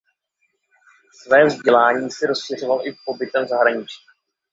Své vzdělání si rozšiřoval i pobytem v zahraničí.